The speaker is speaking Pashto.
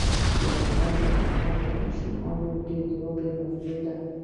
یورانیم د افغان ماشومانو د لوبو موضوع ده.